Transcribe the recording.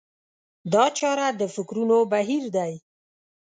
دا چاره د فکرونو بهير دی.